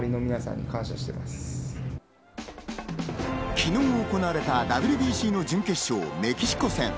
昨日行われたＷＢＣの準決勝、メキシコ戦。